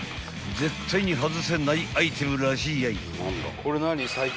［絶対に外せないアイテムらしいやい］